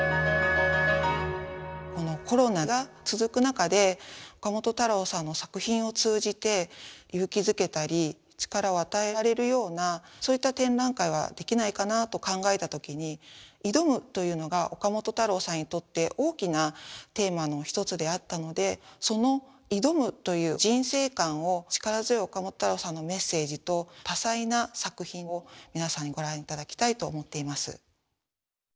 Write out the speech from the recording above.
このコロナが続く中で岡本太郎さんの作品を通じて勇気づけたり力を与えられるようなそういった展覧会はできないかなと考えた時に「挑む」というのが岡本太郎さんにとって大きなテーマの一つであったのでその「挑む」という人生観を力強い岡本太郎さんのメッセージと多彩な作品を皆さんにご覧頂きたいと思っています。